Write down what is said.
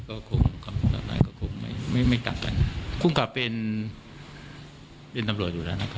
ก็คงไม่ต่ำกันจะต้องหลับไปเป็นน้ำโรยอยู่แล้ว